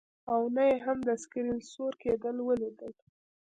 او نه یې هم د سکرین سور کیدل ولیدل